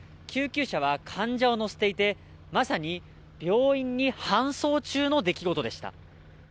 救急車は患者を乗せていて、まさに病院に搬送中の出来事でした。